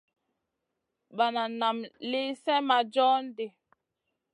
Banan naam lì slèh ma john ɗi.